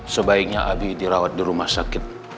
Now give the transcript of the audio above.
sebaiknya abi dirawat di rumah sakit